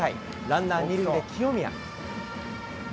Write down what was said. ランナー２塁で清宮。